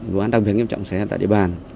vụ án đặc biệt nghiêm trọng xảy ra tại địa bàn